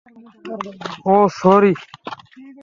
ওহ, sorry!